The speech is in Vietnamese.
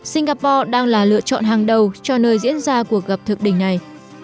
singapore đang là lựa chọn hàng đầu cho nơi diễn ra cuộc gặp thượng đỉnh này